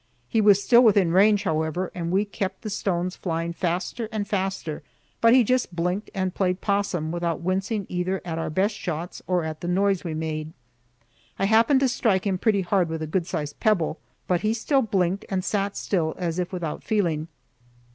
He was still within range, however, and we kept the stones flying faster and faster, but he just blinked and played possum without wincing either at our best shots or at the noise we made. I happened to strike him pretty hard with a good sized pebble, but he still blinked and sat still as if without feeling.